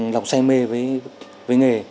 lòng say mê với nghề